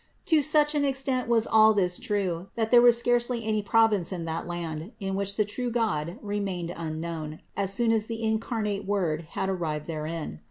To such an extent was all this true that there was scarcely any province in that land in which the true God remained unknown, as soon as the incarnate Word had arrived therein.